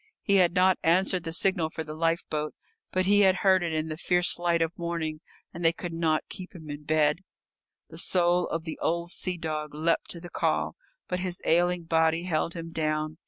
He had not answered the signal for the lifeboat, but he had heard it in the fierce light of morning, and they could not keep him in bed. The soul of the old sea dog leapt to the call, but his ailing body held him down.